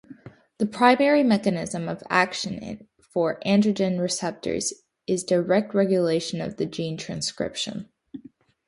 The primary mechanism of action for androgen receptors is direct regulation of gene transcription.